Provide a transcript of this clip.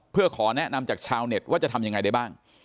เพื่อขอแนะนำจากชาวเน็ตว่าจะทำยังไงได้บ้าง